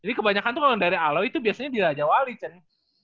jadi kebanyakan tuh kalau dari alau itu biasanya di rajawali cun